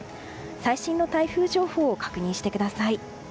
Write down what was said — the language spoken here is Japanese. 最新の台風情報を確認してください。